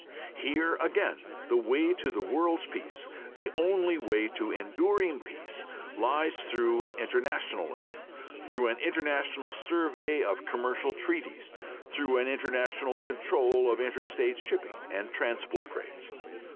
Here again the way to the world's peace, the only way to enduring peace, lies through internationalism, through an international survey of commercial treaties, through an international control of inter State shipping and transport rates.